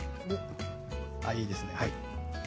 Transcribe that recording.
いいですね。